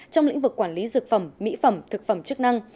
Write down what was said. trong lĩnh vực quản lý dược phẩm mỹ phẩm thực phẩm chức năng